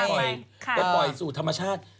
ก็ปล่อยสูตรธรรมชาติ